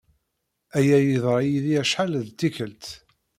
Aya yeḍra-iyi acḥal d tikkelt.